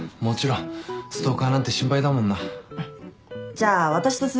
じゃあ私と雀